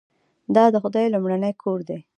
دا د خدای لومړنی کور دی.